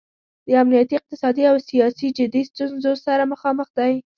د امنیتي، اقتصادي او سیاسي جدي ستونځو سره مخامخ دی.